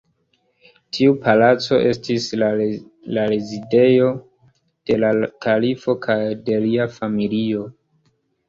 Tiu Palaco estis la rezidejo de la kalifo kaj de lia familio.